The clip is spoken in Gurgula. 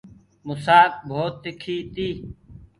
مُسآڪ ڀوت تِکي تي۔